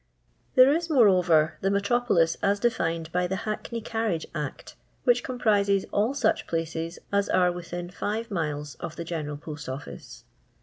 417 There is, moreover, the metropolis, as dsAned hy the Hackney Carriage Act, which comprises all snch places as are within jive mtUs of the Qenend Post Office.